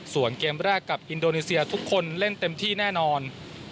ส่วนเกมแรกกับอินโดนีเซียทุกคนเล่นเต็มที่แน่นอน